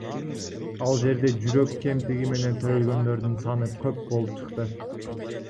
Ал жерде жүрөк кемтиги менен төрөлгөндөрдүн саны көп болуп чыкты.